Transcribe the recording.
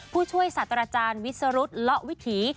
ผู้ช่วยสัตว์อาจารย์วิทย์สรุทธ์เลาะวิถี